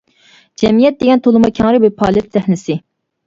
جەمئىيەت دېگەن تولىمۇ كەڭرى بىر پائالىيەت سەھنىسى.